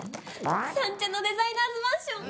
三茶のデザイナーズマンション！